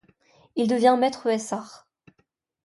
Il devint maître es arts.